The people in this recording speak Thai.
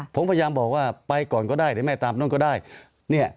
ผมพยายามบอกว่าไปก่อนก็ได้หรือไม่ตามนู้นก็ได้เนี่ย